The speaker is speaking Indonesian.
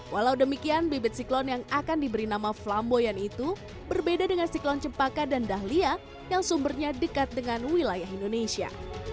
walau demikian bibit siklon yang akan diberi nama flamboyan itu berbeda dengan siklon cempaka dan dahlia yang sumbernya dekat dengan wilayah indonesia